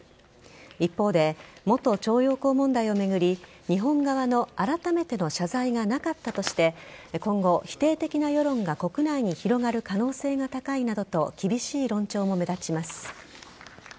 一方で元徴用工問題を巡り日本側のあらためての謝罪がなかったとして今後、否定的な世論が国内に広がる可能性が高いなどと厳しい論調も目立ちます。